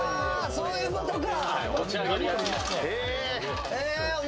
そういうことか！